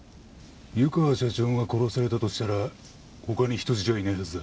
湯川社長が殺されたとしたら他に人質はいないはずだ。